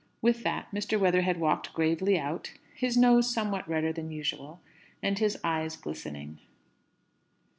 With that, Mr. Weatherhead walked gravely out; his nose somewhat redder than usual, and his eyes glistening.